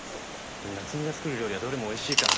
でも夏海が作る料理はどれもおいしいから。